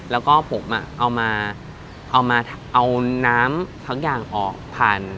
แล้วก็ผมเอามาเอาน้ำทุกอย่างออกผ่าน